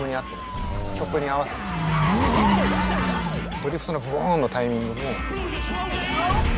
ドリフトのブオンのタイミングも。